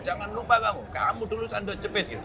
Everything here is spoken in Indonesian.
jangan lupa kamu kamu dulu sendak jebit gitu